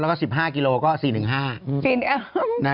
แล้วก็๑๕กิโลกรึย์ก็สิบหนึ่งห้า